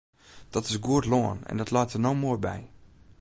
Dat is goed lân en dat leit der no moai by.